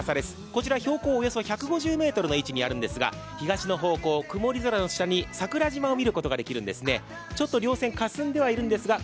こちら標高およそ１５０ｍの位置にあるんですが、東の方向、曇り空の下に桜島を見ることが出来るんですね。